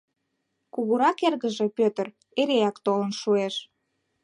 Кугурак эргыже, Пӧтыр, эреак толын шуэш.